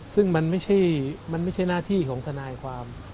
ซึ่งมันไม่ใช่หน้าที่ของทนายความ